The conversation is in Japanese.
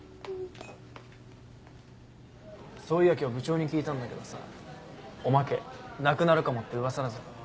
そういや今日部長に聞いたんだけどさおまけなくなるかもってウワサだぞ。